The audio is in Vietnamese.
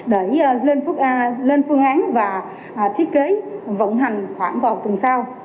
để lên phương án và thiết kế vận hành khoảng vào tuần sau